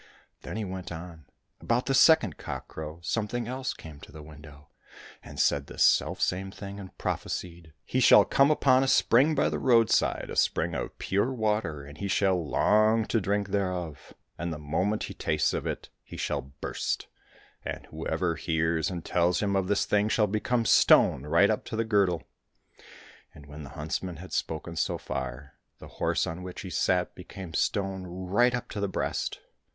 Then he went on, " About the second cockcrow some thing else came to the window and said the selfsame thing, and prophesied, ' He shall come upon a spring by the roadside, a spring of pure water, and he shall long to drink thereof, and the moment he tastes of it he shall burst ; and whoever hears and tells him of this thing shall become stone right up to the girdle.' " And when the huntsman had spoken so far, the horse on which he sat became stone right up to the breast.